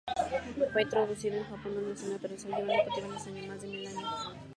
Fue introducido en Japón, donde se naturalizó y lleva cultivándose más de mil años.